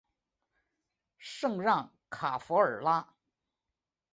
圣让卡弗尔拉。